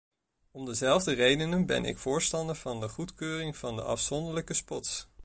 Om dezelfde redenen ben ik voorstander van de goedkeuring van afzonderlijke spots.